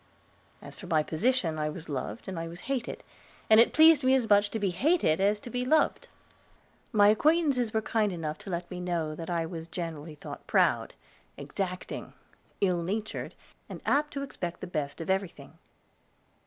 As for my position, I was loved and I was hated, and it pleased me as much to be hated as to be loved. My acquaintances were kind enough to let me know that I was generally thought proud, exacting, ill natured, and apt to expect the best of everything.